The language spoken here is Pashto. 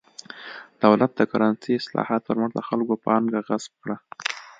دولت د کرنسۍ اصلاحاتو پر مټ د خلکو پانګه غصب کړه.